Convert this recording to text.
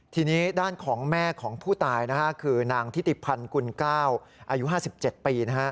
ทีนี้ด้านของแม่ของผู้ตายคือนางทิติพันธ์กุลกล้าวอายุ๕๗ปี